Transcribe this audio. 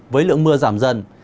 với lượng mưa giảm dần